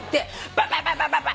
ババババババ！